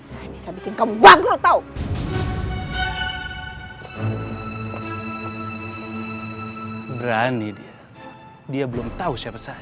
saya bisa bikin kamu bangkrut tau